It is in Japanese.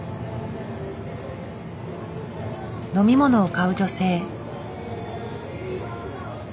飲み物を買う女性。